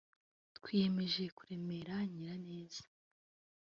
“Twiyemeje kuremera Nyiraneza